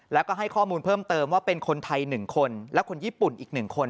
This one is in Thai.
แล้วก็ให้ข้อมูลเพิ่มเติมว่าเป็นคนไทย๑คนและคนญี่ปุ่นอีก๑คน